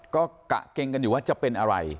กักเกงกันอยู่ว่าเป็นอะไร